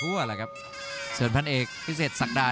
รับทราบบรรดาศักดิ์